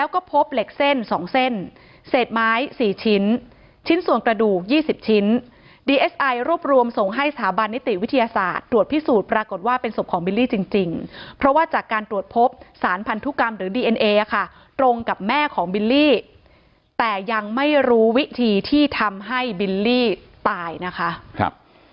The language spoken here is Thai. ใครรวบรวมส่งให้สถาบันนิติวิทยาศาสตร์ตรวจพิสูจน์ปรากฏว่าเป็นสมของบิลลี่จริงเพราะว่าจากการตรวจพบสารพันธุกรรมหรือดีเอ็นเอค่ะตรงกับแม่ของบิลลี่แต่ยังไม่รู้วิธีที่ทำให้บิลลี่ตายนะคะ